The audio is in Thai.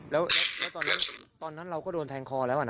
แล้วตอนนั้นเราก็โดนแทงคอแล้วนะ